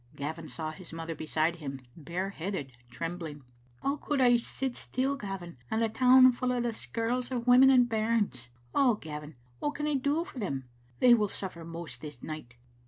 Gavin saw his mother beside him, bare headed, trembling. " How could I sit still, Gavin, and the town full o' the skirls of women and bairns? Oh, Gavin, what can I do for them? They will suffer most this night."